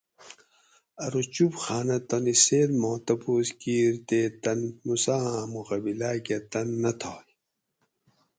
ارو چپ خانہ تانی سۤد ما تپوس کیر تےتن موسیٰ آں مقابلا کہ تن نہ تھاگ